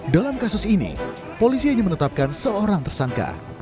dalam kasus ini polisi hanya menetapkan seorang tersangka